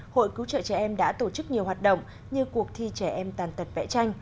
hội cứu trợ trẻ em đã tổ chức nhiều hoạt động như cuộc thi trẻ em tàn tật vẽ tranh